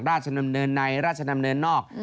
ราชดำเนินในราชดำเนินนอก